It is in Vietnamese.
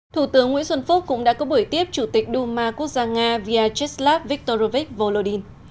thủ tướng nguyễn xuân phúc cũng đã có buổi tiếp chủ tịch đu ma quốc gia nga via cheslav viktorovich volodin